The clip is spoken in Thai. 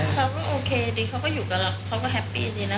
เขาก็โอเคดีเขาก็อยู่กับเราเขาก็แฮปปี้ดีนะ